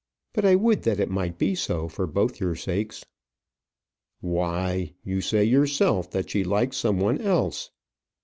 But I would that it might be so, for both your sakes." "Why, you say yourself that she likes some one else."